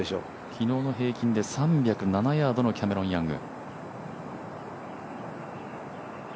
昨日の平均で３０７ヤードのキャメロン・ヤング。